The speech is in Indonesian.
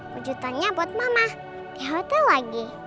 wujudannya buat mama di hotel lagi